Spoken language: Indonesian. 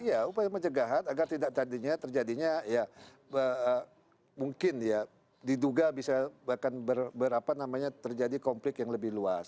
iya upaya pencegahan agar tidak tadinya terjadinya ya mungkin ya diduga bisa bahkan berapa namanya terjadi konflik yang lebih luas